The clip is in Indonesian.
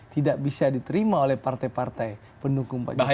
tidak bisa diterima oleh partai partai pendukung pak jokowi